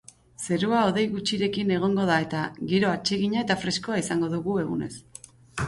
Zerua hodei gutxirekin egongo da eta giro atsegina eta freskoa izango dugu egunez.